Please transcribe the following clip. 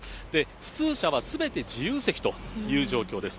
普通車はすべて自由席という状況です。